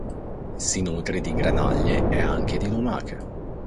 Si nutre di granaglie e anche di lumache.